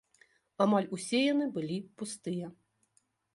Амаль усе яны былі пустыя!